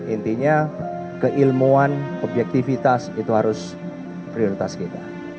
intinya keilmuan objektivitas itu harus prioritas kita